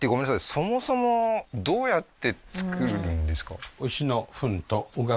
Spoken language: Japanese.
そもそもどうやって作るんですか？